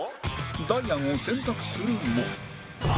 ダイアンを選択するも